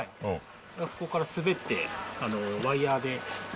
あそこから滑って、ワイヤーで。